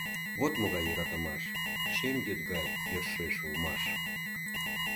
Вот могай йӧратымаш: шем йӱд гай йӧршеш улмаш.